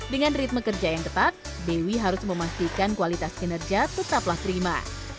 dengan ritme kerja yang ketat dewi harus memastikan kualitas kinerja tetaplah prima